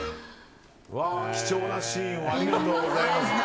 貴重なシーンをありがとうございます。